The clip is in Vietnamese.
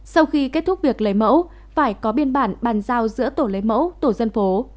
sau khi kết thúc việc lấy mẫu phải có biên bản bàn giao giữa tổ lấy mẫu tổ dân phố